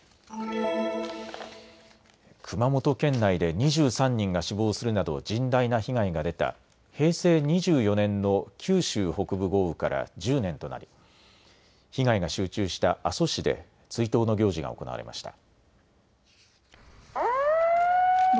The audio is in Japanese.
熊本県内で２３人が死亡するなど甚大な被害が出た平成２４年の九州北部豪雨から１０年となり、被害が集中した阿蘇市で追悼の行事が行われました。